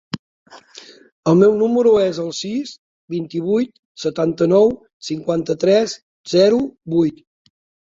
El meu número es el sis, vint-i-vuit, setanta-nou, cinquanta-tres, zero, vuit.